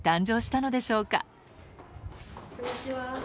こんにちは。